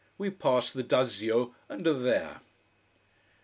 We pass the Dazio and are there.